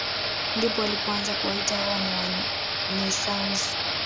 Ndipo walipoanza kuwaita hawa ni wanyisanzu